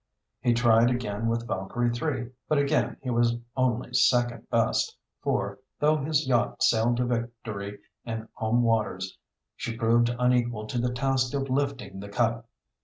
He tried again with Valkyrie III., but again he was only second best, for, though his yacht sailed to victory in home waters, she proved unequal to the task of lifting the cup.